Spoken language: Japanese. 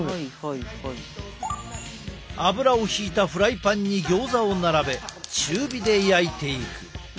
油をひいたフライパンにギョーザを並べ中火で焼いていく。